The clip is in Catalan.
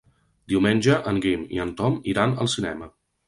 Diumenge en Guim i en Tom iran al cinema.